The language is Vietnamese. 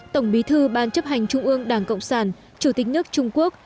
tổng bí thư ban chấp hành trung ương đảng cộng sản chủ tịch nước trung quốc